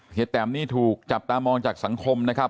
แตมนี่ถูกจับตามองจากสังคมนะครับ